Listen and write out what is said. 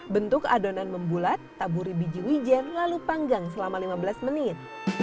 bentuk adonan membulat taburi biji wijen lalu panggang selama lima belas menit